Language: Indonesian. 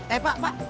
eh pak pak